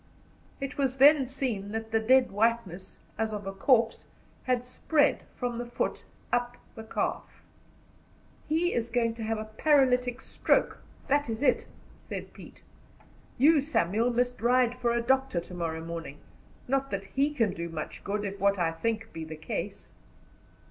It was then seen that the dead whiteness, as of a corpse, had spread from the foot up the calf. "He is going to have a paralytic stroke, that is it," said Pete. "You, Samuel, must ride for a doctor to morrow morning, not that he can do much good, if what I think be the case."